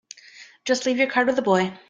Just leave your card with the boy.